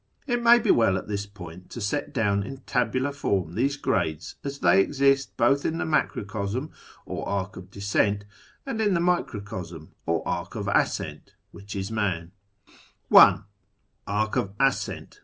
It may be well at this point to set down in a tabular form these grades as they exist both in the ]\Iacrocosm, or Arc of Descent, and in the Microcosm, or Arc of Ascent, which is man :— I. Arc of Ascent.